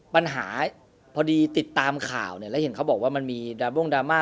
ปัญหาพอดีติดตามข่าวแล้วเห็นเขาบอกว่ามันมีดราม่า